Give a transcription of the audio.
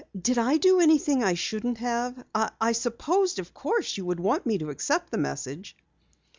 "Did I do anything I shouldn't have? I supposed of course you would want me to accept the message."